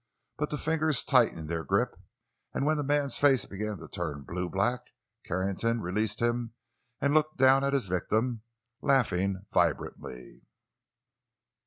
But the fingers tightened their grip, and when the man's face began to turn blue black, Carrington released him and looked down at his victim, laughing vibrantly.